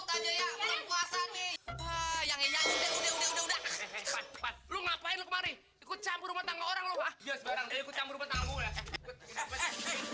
berapa mahariri ikut sarung orangmu tempatnya